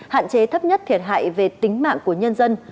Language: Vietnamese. hạn chế thấp nhất thiệt hại về tính mạng của nhân dân